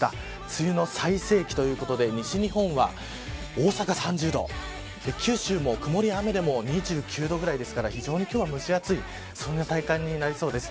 梅雨の最盛期ということで西日本は、大阪３０度九州も、曇りや雨でも２９度ぐらいですから非常に今日は蒸し暑いそんな体感になりそうです。